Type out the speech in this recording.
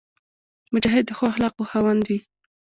مجاهد د ښو اخلاقو خاوند وي.